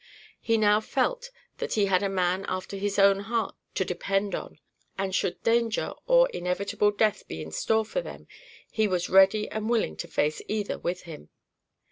He now felt that he had a man after his own heart to depend on, and should danger or inevitable death be in store for them he was ready and willing to face either with him.